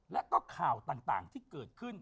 และก็ข่าวต่างที่เกิดขึ้น